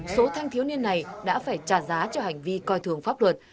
số thanh thiếu niên này đã phải trả giá cho hành vi coi thường pháp luật